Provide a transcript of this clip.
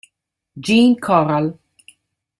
Jean Coral